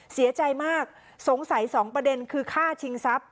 เสียใจมากสงสัยสองประเด็นคือฆ่าชิงทรัพย